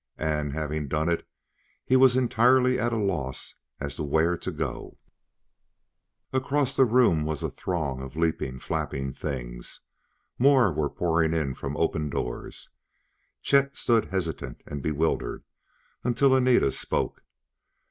And, having done it, he was entirely at a loss as to where to go. Across the great room was a throng of leaping, flapping things; more were pouring in from open doors. Chet stood hesitant and bewildered, until Anita spoke.